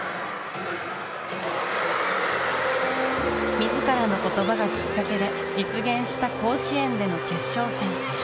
自らの言葉がきっかけで実現した甲子園での決勝戦。